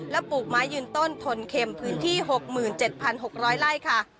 ปลูกไม้ยืนต้นทนเข็มพื้นที่๖๗๖๐๐ไร่ค่ะ